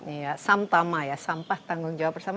iya sampah tanggung jawab bersama